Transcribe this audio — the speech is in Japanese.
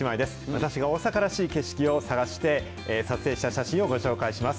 私が大阪らしい景色を探して、撮影した写真をご紹介します。